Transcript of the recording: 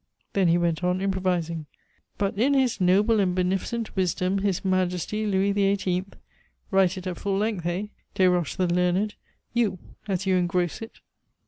Then he went on improvising: "But, in his noble and beneficent wisdom, his Majesty, Louis the Eighteenth (write it at full length, heh! Desroches the learned you, as you engross it!)